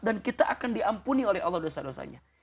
dan kita akan diampuni oleh allah dosa dosanya